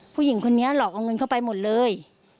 ผู้หญิงคนนี้หลอกเอาเงินเข้าไปหมดเลย